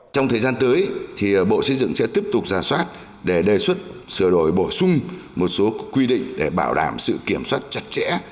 trong thời gian tới thì bộ xây dựng sẽ tiếp tục giả soát để đề xuất sửa đổi bổ sung một số quy định để bảo đảm sự kiểm soát chặt chẽ